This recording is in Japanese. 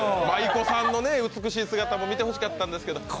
舞妓さんの美しい姿も見せてほしかったんですけど。